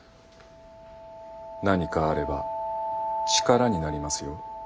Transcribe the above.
何かあれば力になりますよ。